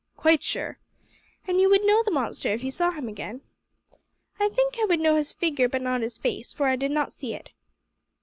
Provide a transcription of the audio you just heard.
"Quite sure." "An' You would know the monster if you saw him again?" "I think I would know his figure, but not his face, for I did not see it."